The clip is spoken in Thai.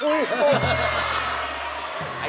คือคล้องฟันอะ